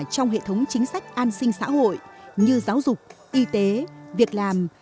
trong hệ thống chính sách an sinh xã hội như giáo dục y tế việc làm